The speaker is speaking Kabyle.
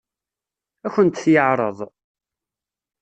Ad akent-t-yeɛṛeḍ?